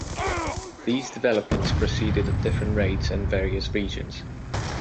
These developments proceeded at different rates in various regions.